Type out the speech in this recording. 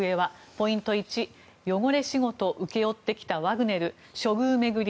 ポイント１、汚れ仕事請け負ってきたワグネル処遇巡り